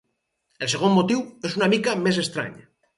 El segon motiu és una mica més estrany.